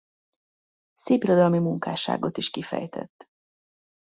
Szépirodalmi munkásságot is kifejtett.